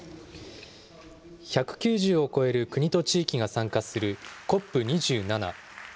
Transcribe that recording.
１９０を超える国と地域が参加するＣＯＰ２７。